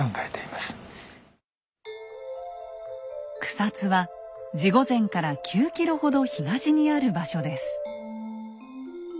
草津は地御前から９ｋｍほど東にある場所です。